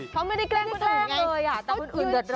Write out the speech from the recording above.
เพราะไม่ได้แกล้งคนอื่นไงแต่คนอื่นเดือดร้อน